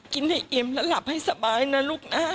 กินให้อิ่มแล้วหลับให้สบายนะลูกนะ